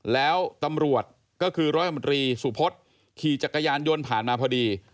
แล้วตำรวจก็คือร้อยมนตรีสุพศขี่จักรยานยนต์ผ่านมาพอดี